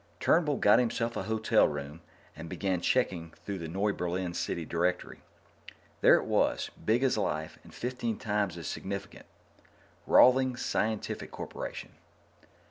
Turnbull got himself a hotel room and began checking through the Noiberlin city directory. There it was, big as life and fifteen times as significant. Rawlings Scientific Corporation.